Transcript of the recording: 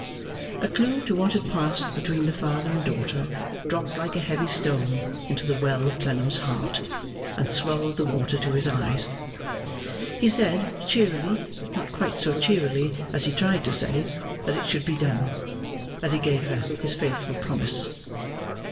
A clue to what had passed between the father and daughter dropped like a heavy stone into the well of Clennam's heart, and swelled the water to his eyes. He said, cheerily, but not quite so cheerily as he tried to say, that it should be done that he gave her his faithful promise.